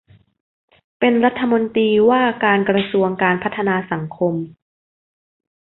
เป็นรัฐมนตรีว่าการกระทรวงการพัฒนาสังคม